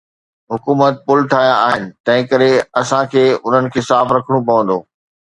حڪومت پل ٺاهيا آهن، تنهنڪري اسان کي انهن کي صاف رکڻو پوندو.